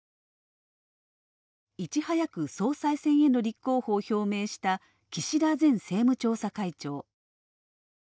いち早く総裁戦への立候補を表明した、岸田前政務調査会長。